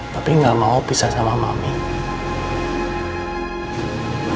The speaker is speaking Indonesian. bapak nggak mau pisah sama hatiku